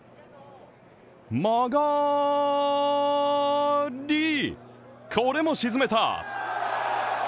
曲がり、これも沈めた。